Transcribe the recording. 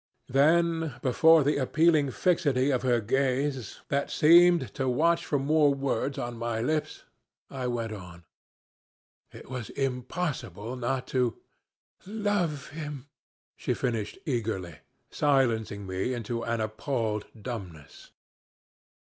Then before the appealing fixity of her gaze, that seemed to watch for more words on my lips, I went on, 'It was impossible not to ' "'Love him,' she finished eagerly, silencing me into an appalled dumbness.